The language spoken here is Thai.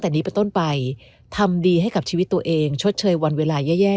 แต่นี้เป็นต้นไปทำดีให้กับชีวิตตัวเองชดเชยวันเวลาแย่